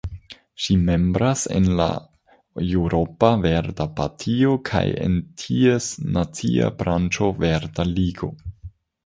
Ŝi membras en la Eŭropa Verda Partio kaj en ties nacia branĉo Verda Ligo.